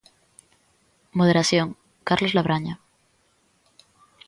Moderación: Carlos Labraña.